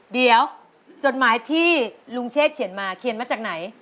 เดี๋ยวจดหมายที่ลุงเชษเขียนมาเขียนมาจากไหน